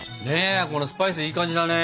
このスパイスいい感じだね。